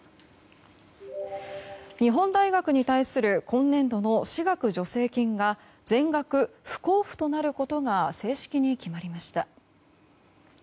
日本大学に対する今年度の私学助成金が全額不交付となることが正式に決まりました。